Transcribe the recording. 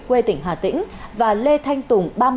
quê tỉnh hà tĩnh và lê thanh tùng